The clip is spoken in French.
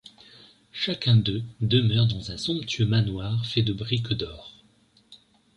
Chacun d’eux demeure dans un somptueux manoir fait de briques d’or.